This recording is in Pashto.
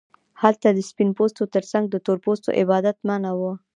هلته د سپین پوستو ترڅنګ د تور پوستو عبادت منع و.